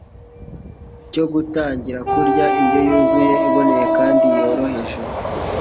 cyo gutangira kurya indyo yuzuye, iboneye kandi yoroheje.